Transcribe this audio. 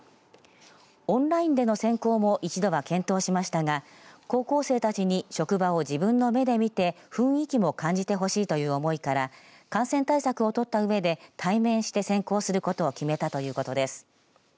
オンラインでの選考も一度は検討しましたが、高校生たちに職場を自分の目で見て雰囲気を感じてほしいという思いから感染対策をとったうえで対面して選考することを決めたということです。